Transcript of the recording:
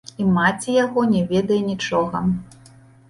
І маці яго не ведае нічога.